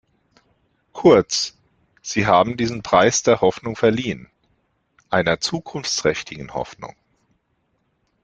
Kurz, Sie haben diesen Preis der Hoffnung verliehen, einer zukunftsträchtigen Hoffnung.